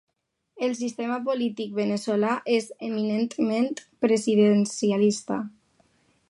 El sistema polític veneçolà és eminentment presidencialista.